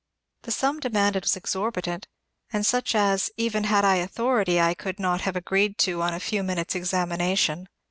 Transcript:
The sum demanded was exorbitant, and such as, even had I authority, I could not have agreed to on a few minutes' examination.